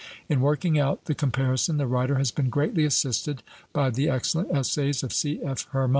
In working out the comparison the writer has been greatly assisted by the excellent essays of C.F.